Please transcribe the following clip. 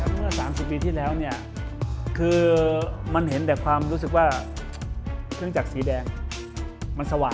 เมื่อ๓๐ปีที่แล้วเนี่ยคือมันเห็นแต่ความรู้สึกว่าเครื่องจักรสีแดงมันสว่าง